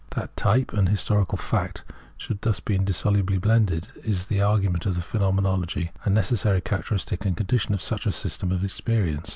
That type and historical fact should thus be indissolubly blended in the argument of the Phenomenology is a necessary characteristic and condition of such a system of ex perience.